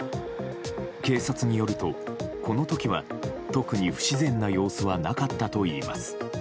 警察によるとこの時は特に不自然な様子はなかったといいます。